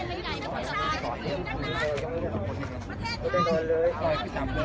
มีผู้ที่ได้รับบาดเจ็บและถูกนำตัวส่งโรงพยาบาลเป็นผู้หญิงวัยกลางคน